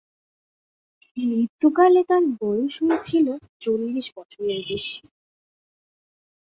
মৃত্যুকালে তার বয়স হয়েছিল চল্লিশ বছরের বেশি।